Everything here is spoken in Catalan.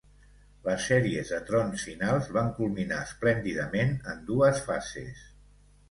Les sèries de trons finals van culminar esplèndidament en dues fases.